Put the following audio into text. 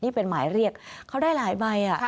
นี่เป็นหมายเรียกเขาได้หลายใบ